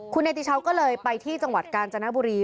คุณเนติชาวก็เลยไปที่จังหวัดกาญจนบุรี